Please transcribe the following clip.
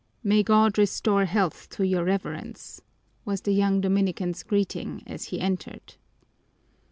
"May God restore health to your Reverence," was the young Dominican's greeting as he entered.